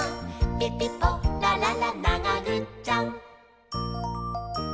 「ピピポラララながぐっちゃん！！」